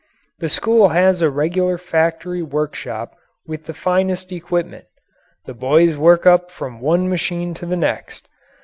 The school has a regular factory workshop with the finest equipment. The boys work up from one machine to the next.